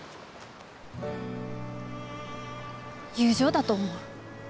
友情だと思う。